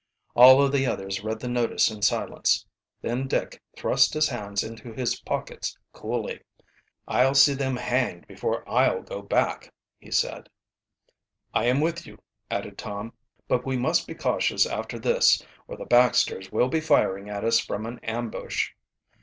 All of the others read the notice in silence. Then Dick thrust his hands into his pockets coolly. "I'll see them hanged before I'll go back," he said. "I am with you," added Tom. "But we must be cautious after this, or the Baxters will be firing at us from an ambush."